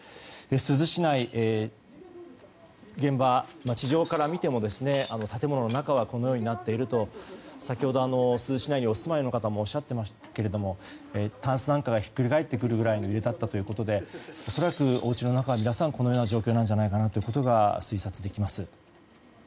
珠洲市内、現場地上から見ても建物の中はこのようになっていると先ほど、珠洲市内にお住まいの方もおっしゃっていましたがたんすなんかがひっくり返ってくるくらいの揺れだったということで恐らく、おうちの中は皆さん、このような状況なんじゃないかなということが推察できます。